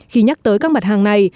khi nhắc tới các mặt hàng này